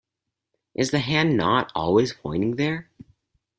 Is the hand not always pointing there?